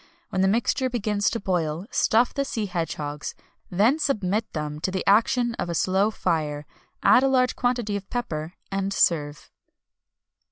When the mixture begins to boil, stuff the sea hedgehogs, then submit them to the action of a slow fire; add a large quantity of pepper, and serve."